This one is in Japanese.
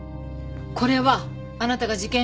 これはあなたが事件